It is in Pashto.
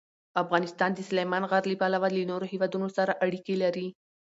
افغانستان د سلیمان غر له پلوه له نورو هېوادونو سره اړیکې لري.